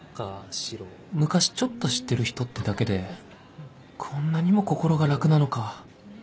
昔ちょっと知ってる人ってだけでこんなにも心が楽なのか